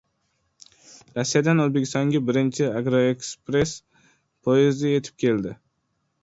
Rossiyadan O‘zbekistonga birinchi “Agroekspress” poyezdi yetib keldi